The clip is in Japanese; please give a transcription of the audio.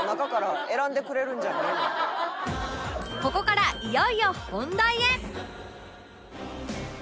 ここからいよいよ本題へ